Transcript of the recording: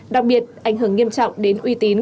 đặc biệt ảnh hưởng nghiêm trọng đến uy tín